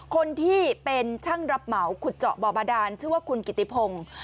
คนที่เป็นช่างรับเหมาขุดเจาะบ่อบาดานชื่อว่าคุณกิติพงศ์